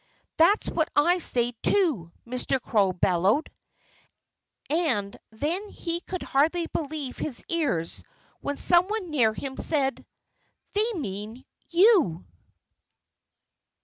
"That's what I say, too!" Mr. Crow bellowed. And then he could hardly believe his ears when someone near him said, "They mean you!"